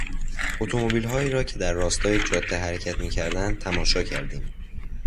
اتومبیلهایی را که در راستای جاده حرکت میکردند تماشا کردیم.